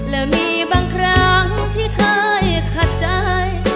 แล้วมีบางครั้งที่เคยขัดใจ